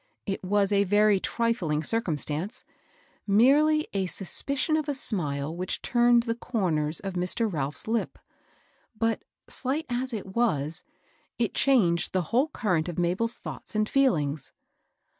It was a very trifling circumstance, merely a suspicion of a smile which turned the cor ners of Mr. Ralph's lip ; but, slight as it was, it changed the whole current of Mabel's thoughts and feelings.